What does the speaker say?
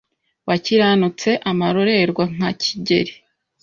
Wakiranutse amarorerwa nka Kigeli